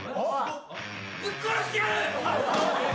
ぶっ殺してやる！